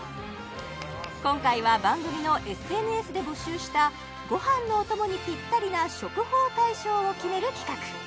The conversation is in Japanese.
今回は番組のＳＮＳで募集したご飯のお供にピッタリな食宝大賞を決める企画・